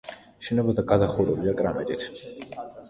შენობა გადახურულია კრამიტით.